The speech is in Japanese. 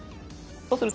そうすると。